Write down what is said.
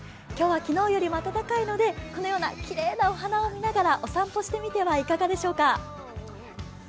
今日は昨日よりも暖かいのでこのようなきれいなお花を見ながらお散歩してみてはいかがでしょう。